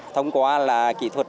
thông qua là kỹ thuật